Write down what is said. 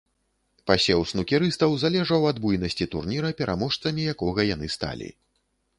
Пасеў снукерыстаў залежаў ад буйнасці турніра, пераможцамі якога яны сталі.